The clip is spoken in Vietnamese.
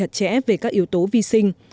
và được trồng chặt chẽ về các yếu tố vi sinh